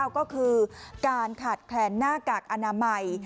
ก็คือการขาดแคลนหน้ากากอนามัย